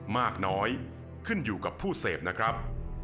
มากน้อยขึ้นอยู่กับผู้เสพนะครับ